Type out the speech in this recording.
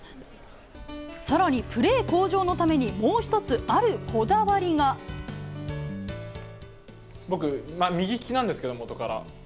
さらにプレー向上のために、僕、右利きなんですけど、もとから。